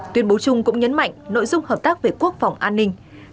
tuyên bố chung cũng nhấn mạnh nội dung hợp tác về quốc phòng an ninh